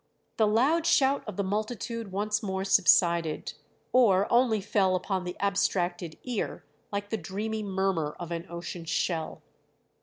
The loud shout of the multitude once more subsided, or only fell upon the abstracted ear like the dreamy murmur of an ocean shell.